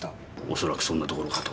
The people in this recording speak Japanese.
恐らくそんなところかと。